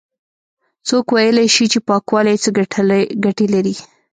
څوک ويلاى شي چې پاکوالی څه گټې لري؟